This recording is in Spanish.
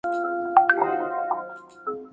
Love la admira absolutamente.